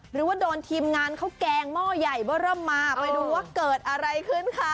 หรือว่าโดนทีมงานเขาแกงหม้อยใหม่มาไปดูว่าเกิดอะไรขึ้นคะ